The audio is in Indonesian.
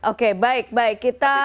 oke baik baik